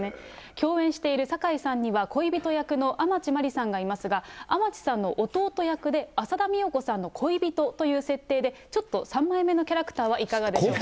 共演している堺さんには恋人役の天地真理さんがいますが、天地さんの弟役で浅田美代子さんの恋人という設定で、ちょっと三枚目のキャラクターはいかがでしょうかと。